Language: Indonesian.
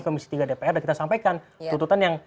komisi tiga dpr dan kita sampaikan tuntutan yang